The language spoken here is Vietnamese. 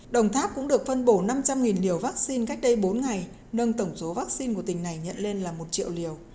đồng tháp cũng được phân bổ năm trăm linh liều vaccine cách đây bốn ngày nâng tổng số vaccine của tỉnh này nhận lên là một triệu liều